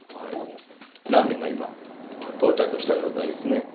ラーメンが今、到着した状態ですね。